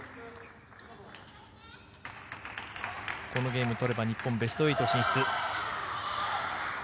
このゲーム取れば、日本ベスト８進出。